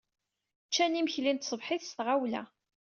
Ččan imekli n tṣebḥit s tɣawla.